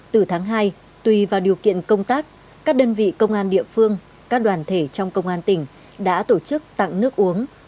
từ tháng hai tùy vào điều kiện công tác các đơn vị công an địa phương các đoàn thể trong công an tỉnh đã tổ chức tặng nước uống